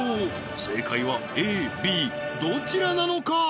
正解はＡＢどちらなのか？